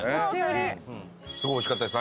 すごいおいしかったです。